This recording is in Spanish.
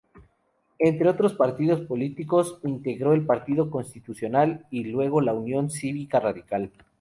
Entre otros partidos políticos, integró el Partido Constitucional y luego la Unión Cívica Radical.